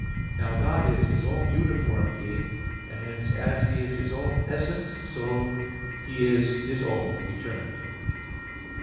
Now God is His own uniform being; and hence as He is His own essence, so He is His own eternity.